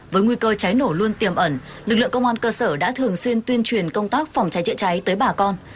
với nguy cơ cháy nổ luôn tiềm ẩn lực lượng công an cơ sở đã thường xuyên tuyên truyền công tác phòng cháy chữa cháy tới bà con